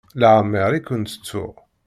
Leɛmeɛ i kent-ttuɣ.